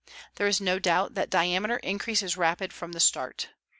There is no doubt that diameter increase is rapid from the start.